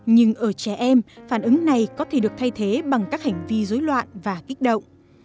nhưng ở trẻ em phản ứng này có thể được thay thế bằng các hành vi dối loạn và kích động